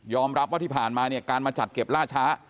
รับว่าที่ผ่านมาเนี่ยการมาจัดเก็บล่าช้า